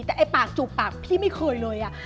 แต่ไอ้ปากจูบปากพี่ไม่เคยเลย